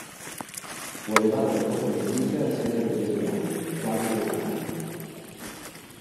Fu allevato alla corte medicea assieme allo zio Giovanni, quasi coetaneo.